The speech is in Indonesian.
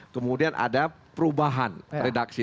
kemudian ada perubahan redaksi